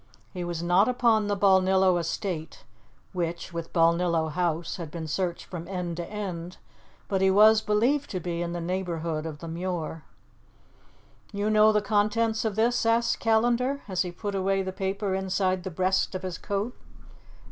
He was not upon the Balnillo estate, which, with Balnillo House, had been searched from end to end, but he was believed to be in the neighbourhood of the Muir. "You know the contents of this?" asked Callandar, as he put away the paper inside the breast of his coat.